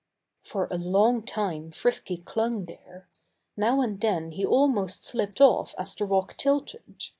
For a long time Frisky clung there. Now and then he almost slipped off as the rock tilted.